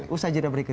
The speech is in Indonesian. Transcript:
usah jadilah berikut